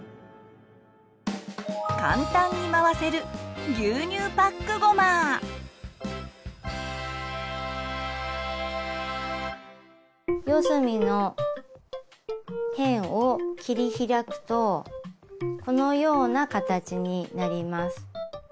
簡単に回せる四隅の辺を切り開くとこのような形になります。